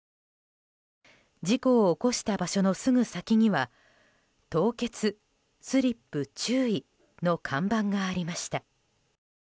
事故を起こした場所のすぐ先には凍結スリップ注意の看板がありました。